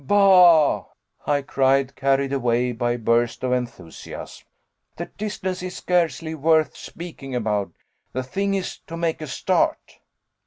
"Bah!" I cried, carried away by a burst of enthusiasm, "the distance is scarcely worth speaking about. The thing is to make a start."